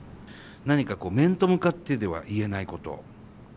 何か面と向かってでは言えないこと。